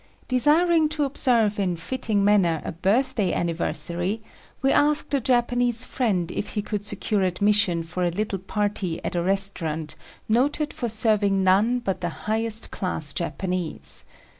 Desiring to observe in fitting manner a birthday anniversary, we asked a Japanese friend if he could secure admission for a little party at a restaurant noted for serving none but the highest class Japanese.